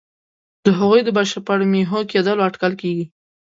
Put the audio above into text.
د هغوی د بشپړ محو کېدلو اټکل کېږي.